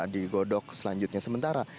digodok selanjutnya sementara